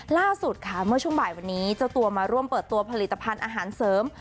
ล่าสุดค่ะเมื่อช่วงบ่ายวันนี้เจ้าตัวมาร่วมเปิดตัวผลิตภัณฑ์อาหารเสริม